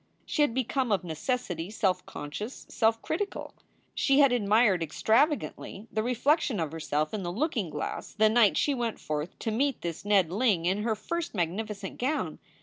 She had become of necessity self conscious, self critical. She had admired extravagantly the reflection of herself in the looking glass the night she went forth to meet this Ned Ling in her first magnificent gown.